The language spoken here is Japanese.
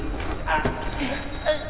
あっ。